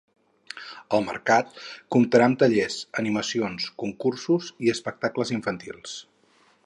El mercat comptarà amb tallers, animacions, concursos i espectacles infantils.